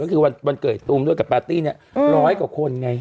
ก็คือมันเกิดตรงนู้นกับพาร์ตตี้นี้๑๐๐กว่าคนไง